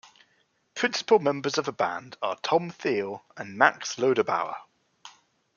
Principal members of the band are Tom Thiel and Max Loderbauer.